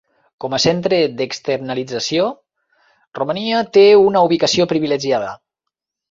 Com a centre d'externalització, Romania té una ubicació privilegiada.